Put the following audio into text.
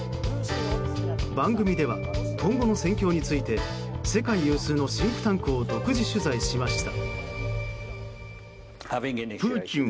番組では、今後の戦況について世界有数のシンクタンクを独自取材しました。